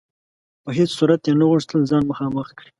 په هیڅ صورت یې نه غوښتل ځان مخامخ کړي.